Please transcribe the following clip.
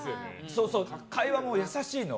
会話も優しいの。